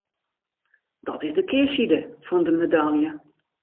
Dat is de kearside fan de medalje.